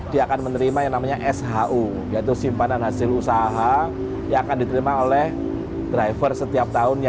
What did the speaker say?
dia akan menerima yang namanya shu yaitu simpanan hasil usaha yang akan diterima oleh driver setiap tahunnya